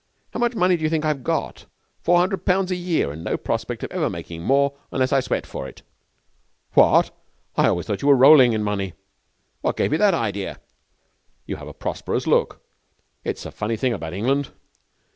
How much money do you think I've got? Four hundred pounds a year, and no prospect of ever making more unless I sweat for it.' 'What! I always thought you were rolling in money.' 'What gave you that idea?' 'You have a prosperous look. It's a funny thing about England.